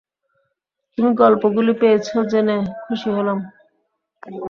তুমি গল্পগুলি পেয়েছ জেনে খুশী হলাম।